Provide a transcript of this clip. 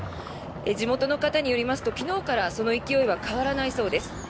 地元の方によりますと昨日からその勢いは変わらないそうです。